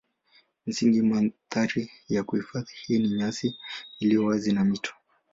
Kimsingi mandhari ya hifadhi hii ni nyasi iliyo wazi na mito.